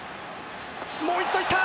もう一度いった！